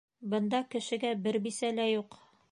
Бында кешегә бер бисә лә юҡ.